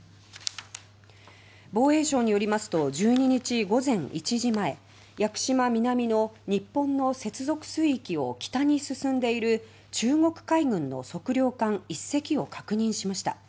防衛省によりますと１２日午前１時前屋久島南の日本の接続水域を北に進んでいる中国海軍の測量艦１隻を確認しました。